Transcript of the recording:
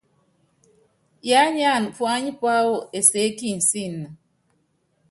Yiányánana puányi púáwɔ enseé kinsííni.